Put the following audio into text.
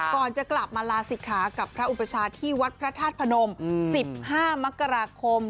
ก่อนจะกลับมาลาศิกขากับพระอุปชาที่วัดพระธาตุพนม๑๕มกราคม